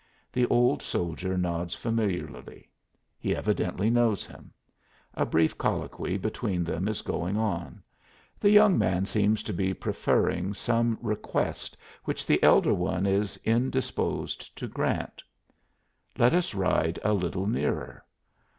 The old soldier nods familiarly; he evidently knows him. A brief colloquy between them is going on; the young man seems to be preferring some request which the elder one is indisposed to grant. Let us ride a little nearer.